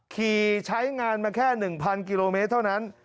ใช้งานมาแค่๑๐๐กิโลเมตรเท่านั้น